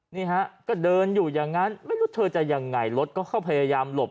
นี่ฮะก็เดินอยู่อย่างนั้นไม่รู้เธอจะยังไงรถก็เข้าพยายามหลบ